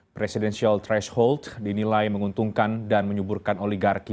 presidential threshold dinilai menguntungkan dan menyuburkan oligarki